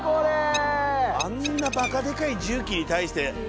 あんなバカでかい重機に対して。